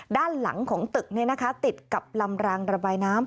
ด้านหลังของตึกติดกับลำรางระบายน้ำ